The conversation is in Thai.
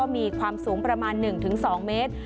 มีความสูงประมาณ๑๒เมตร